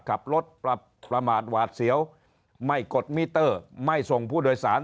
ขับรถประมาทหวาดเสียวไม่กดมิเตอร์ไม่ส่งผู้โดยสาร